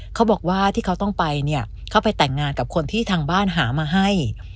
เขาบอกว่าที่เขาต้องไปเนี่ยเขาไปแต่งงานกับคนที่ทางบ้านหามาให้